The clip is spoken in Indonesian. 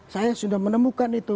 saya sudah menemukan itu